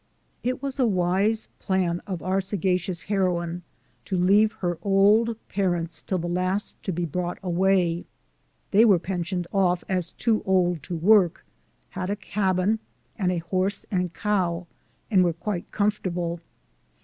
It was a wise plan of our sagacious heroine to leave her old parents till the last to be brought 48 SOME SCENES IN THE away. They were pensioned off as too old to work, had a cabin, and a horse and cow, and were quite comfortable.